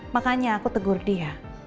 makanya aku tegur dia